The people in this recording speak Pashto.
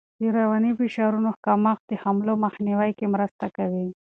د رواني فشارونو کمښت د حملو مخنیوی کې مرسته کوي.